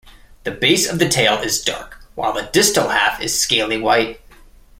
The base of the tail is dark while the distal half is scaly white.